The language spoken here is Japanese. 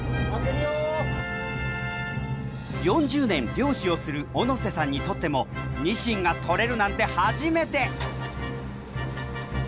４０年漁師をする小野瀬さんにとってもニシンがとれるなんて初めて。